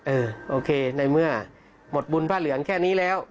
โอเคในเมื่อหมดบุญพระเหลืองแค่นี้แล้ว